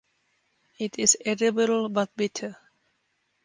It is edible but bitter.